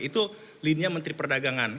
itu leadnya menteri perdagangan